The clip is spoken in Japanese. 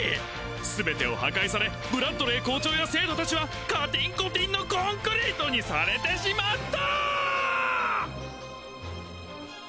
すべてを破壊されブラッドレー校長や生徒たちはカティンコティンのコンクリートにされてしまった！